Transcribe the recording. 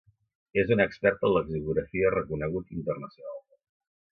És un expert en lexicografia reconegut internacionalment.